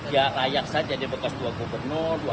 ya layak saja di bekas dua gubernur